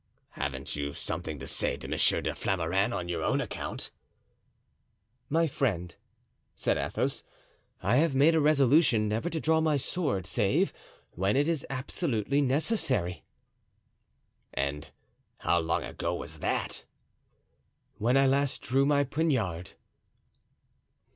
"Haven't you something to say to Monsieur de Flamarens on your own account?" "My friend," said Athos, "I have made a resolution never to draw my sword save when it is absolutely necessary." "And how long ago was that?" "When I last drew my poniard."